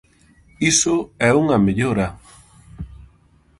¡Iso é unha mellora!